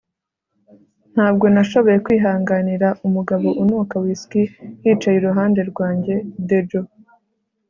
ntabwo nashoboye kwihanganira umugabo unuka whisky yicaye iruhande rwanjye. (dejo